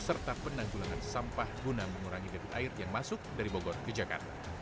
serta penanggulangan sampah guna mengurangi debit air yang masuk dari bogor ke jakarta